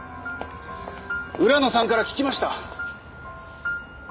浦野さんから聞きました。